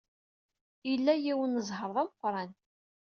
Ila yiwen n zzheṛ d ameqran.